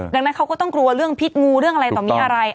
ดังนั้นเขาก็ต้องกลัวเรื่องพิษงูเรื่องอะไรต่อมีอะไร